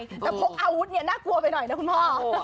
แต่พกอาวุธเนี่ยน่ากลัวไปหน่อยนะคุณพ่อ